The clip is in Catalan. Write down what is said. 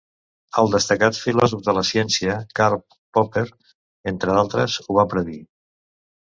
El destacat filòsof de la ciència, Karl Popper, entre d'altres, ho va predir.